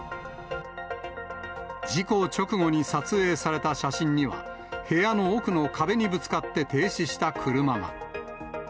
事故直後に撮影された写真には、部屋の奥の壁にぶつかって停止した車が。